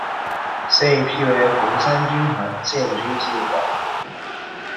现已辟为红三军团建军纪念馆。